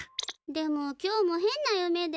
でも今日もへんな夢で。